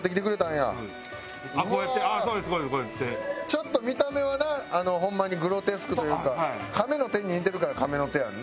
ちょっと見た目はなホンマにグロテスクというかカメの手に似てるから亀の手やんな。